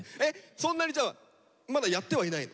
そんなにじゃあまだやってはいないの？